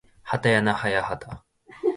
はたやなはやはた